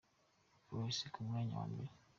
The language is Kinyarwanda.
Polisi ku mwanya wa mbere